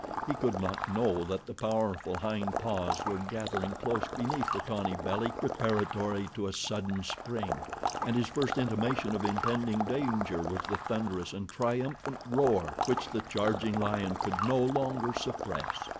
He could not know that the powerful hind paws were gathering close beneath the tawny belly preparatory to a sudden spring, and his first intimation of impending danger was the thunderous and triumphant roar which the charging lion could no longer suppress.